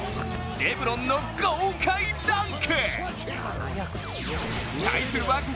レブロンの豪快ダンク。